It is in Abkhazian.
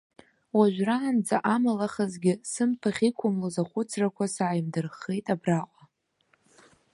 Уажәраанӡа амалахазгьы сымԥахь иқәымлоз ахәыцрақәа сааимдырххеит абраҟа.